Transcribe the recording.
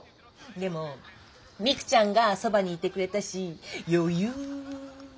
でも未来ちゃんがそばにいてくれたしよゆー！